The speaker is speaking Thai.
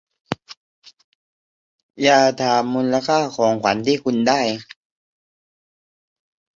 อย่าถามมูลค่าของขวัญที่คุณได้